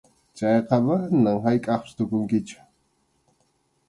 Chayqa manam haykʼappas tukunkichu.